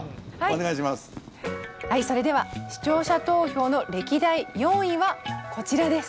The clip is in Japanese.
はいそれでは視聴者投票の歴代４位はこちらです。